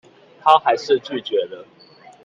她還是拒絕了